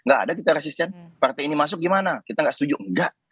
gak ada kita resisten partai ini masuk gimana kita nggak setuju enggak